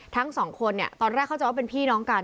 ทั้งสองคนเนี่ยตอนแรกเข้าใจว่าเป็นพี่น้องกัน